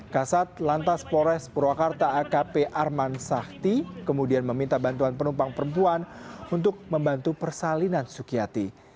kasat lantas polres purwakarta akp arman sakti kemudian meminta bantuan penumpang perempuan untuk membantu persalinan sukiyati